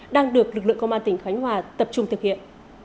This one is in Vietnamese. đang được lực lượng công an tỉnh khánh hòa tập trung thực hiện